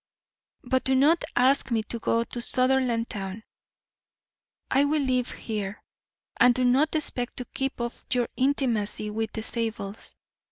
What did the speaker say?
But do not ask me to go to Sutherlandtown. I will live here. And do not expect to keep up your intimacy with the Zabels.